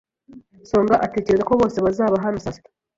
Songa atekereza ko bose bazaba hano saa sita.